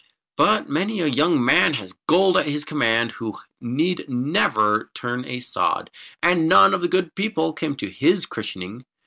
But many a young man has gold at his command who need never turn a sod, and none of the Good People came to his christening.